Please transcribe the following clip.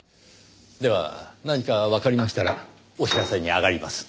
では何かわかりましたらお知らせに上がります。